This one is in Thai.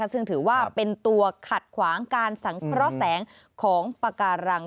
ซึ่งถือว่าเป็นตัวขัดขวางการสังเคราะห์แสงของปากการัง